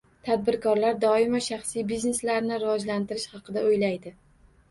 Tadbirkorlar doimo shaxsiy bizneslarini rivojlantirish haqida o‘ylaydi